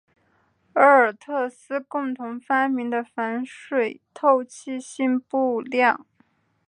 戈尔特斯共同发明的防水透气性布料。